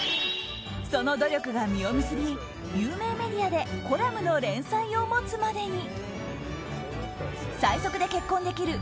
その努力が実を結び有名メディアでコラムの連載を持つまでに。